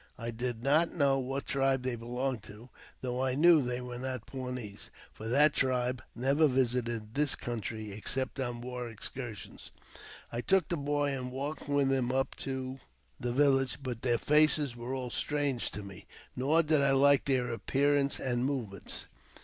I did not know what tribe they belonged to, though I knew they were not Pawnees, for that tribe never visited this country except on war excursions. I took the boy, and walked with him up to the village, but their faces were all strange to me ; nor did I like their appearance and movements.